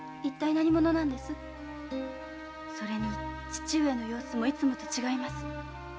それに父上の様子もいつもとは違います。